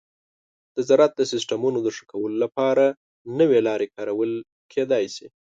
د زراعت د سیستماتو د ښه کولو لپاره نوي لارې کارول کیدی شي.